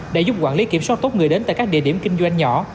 đã giúp quản lý kiểm soát tốt người đến tại các địa điểm kinh doanh nhỏ